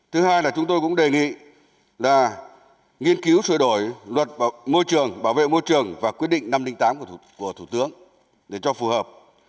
thứ hai là chúng tôi cũng đề nghị là nghiên cứu sửa đổi luật môi trường bảo vệ môi trường và quyết định năm trăm linh tám của thủ tướng để cho phù hợp